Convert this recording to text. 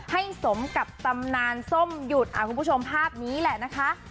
สมกับตำนานส้มหยุดคุณผู้ชมภาพนี้แหละนะคะ